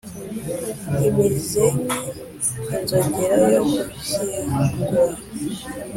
imezenki inzogera yo gushyingura.